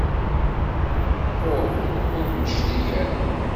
Uh ur d-neclig ara.